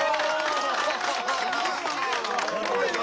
すごいな！